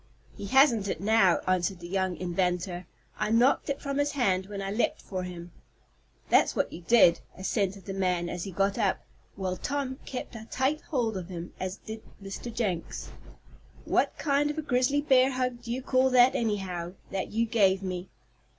"He hasn't it now," answered the young inventor. "I knocked it from his hand when I leaped for him." "That's what you did," assented the man, as he got up, while Tom kept a tight hold of him, as did Mr. Jenks. "What kind of a grizzly bear hug do you call that, anyhow, that you gave me?"